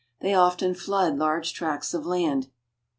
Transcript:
They often flood large tracts of land.